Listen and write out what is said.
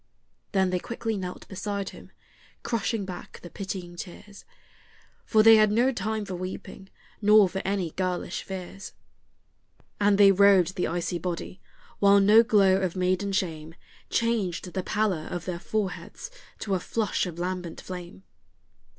Then they quickly knelt beside him, crushing back the pitying tears, For they had no time for weeping, nor for any girlish fears. And they robed the icy body, while no glow of maiden shame Changed the pallor of their foreheads to a flush of lambent flame.